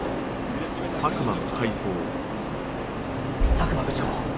佐久間部長